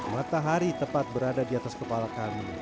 matahari tepat berada di atas kepala kami